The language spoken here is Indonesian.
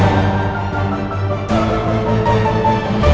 ikut sampai jumpa lagi ya